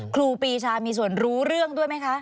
ครูปีชามีส่วนรู้เรื่องด้วยไหมคะ